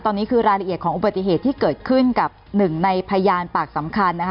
ตอนนี้คือรายละเอียดของอุบัติเหตุที่เกิดขึ้นกับหนึ่งในพยานปากสำคัญนะคะ